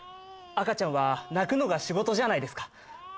赤ちゃんは泣くのが仕事じゃないですか